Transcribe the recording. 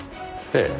ええ。